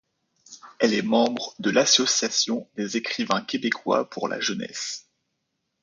Elle est membre de l’Association des écrivains québécois pour la jeunesse.